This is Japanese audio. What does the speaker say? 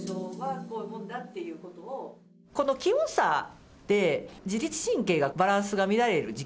この気温差で、自律神経がバランスが乱れる時期。